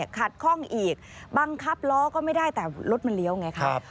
คล่องอีกบังคับล้อก็ไม่ได้แต่รถมันเลี้ยวไงครับ